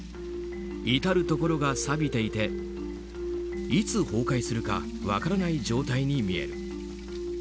至るところがさびていていつ崩壊するか分からない状態に見える。